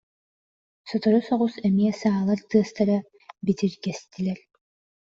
Сотору соҕус эмиэ саалар тыастара битиргэстилэр